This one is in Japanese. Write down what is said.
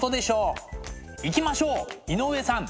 行きましょう井上さん！